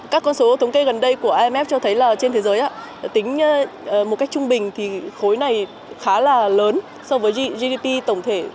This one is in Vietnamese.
các con số thống kê gần đây của imf cho thấy là trên thế giới tính một cách trung bình thì khối này khá là lớn so với gdp tổng thể